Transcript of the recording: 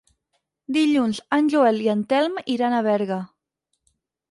Dilluns en Joel i en Telm iran a Berga.